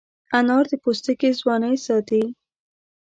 انار د پوستکي ځوانۍ ساتي.